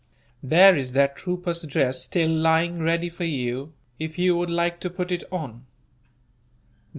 There is that trooper's dress still lying ready for you, if you would like to put it on.